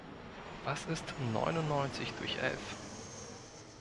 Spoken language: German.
Was ist neunundneunzig durch elf?